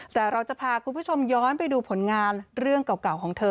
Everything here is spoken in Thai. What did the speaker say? แต่เราจะพาคุณผู้ชมย้อนไปดูผลงานเรื่องเก่าของเธอ